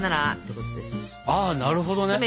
あなるほどね。